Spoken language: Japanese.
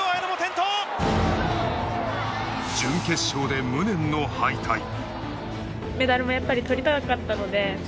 準決勝で無念の敗退。